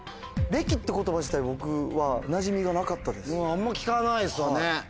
あんま聞かないですよね。